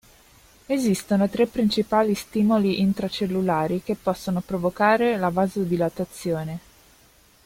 Esistono tre principali stimoli intracellulari che possono provocare la vasodilatazione.